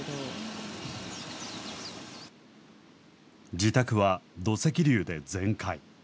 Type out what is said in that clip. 自宅は土石流で全壊。